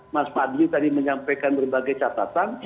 mas fadli tadi menyampaikan berbagai catatan